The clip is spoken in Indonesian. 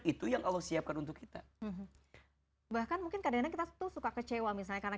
itu yang allah siapkan untuk kita bahkan mungkin kadang kadang kita tuh suka kecewa misalnya karena